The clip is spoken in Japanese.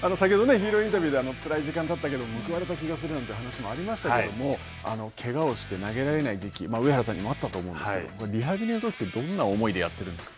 ヒーローインタビューで、つらい時間だったけど、報われた気がするという話もありましたけれども、けがをして投げられない時期、上原さんにもあったと思うんですけど、リハビリのときって、どんな思いでやっているんですか。